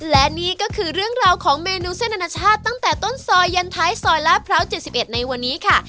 และนี่ก็คือเรื่องราวของเมนูเส้นอนาชาติตั้งแต่ต้นซอยยันท้ายซอยลาดพร้าว๗๑ในวันนี้ค่ะ